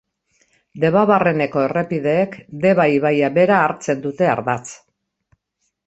Debabarreneko errepideek Deba ibaia bera hartzen dute ardatz.